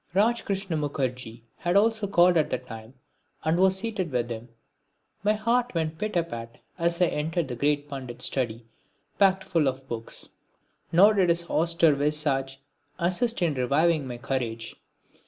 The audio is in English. Rajkrishna Mukherji had called at the time and was seated with him. My heart went pit a pat as I entered the great Pandit's study, packed full of books; nor did his austere visage assist in reviving my courage.